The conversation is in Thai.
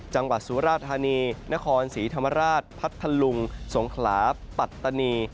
จังหวัดสุราธารณีนครศรีธรรมราชพัทธลุงสงขลาปัตตนี